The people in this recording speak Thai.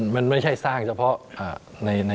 มันไม่ใช่สร้างเฉพาะ